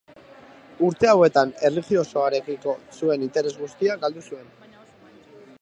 Urte hauetan erlijiosoarekiko zuen interes guztia galdu zuen.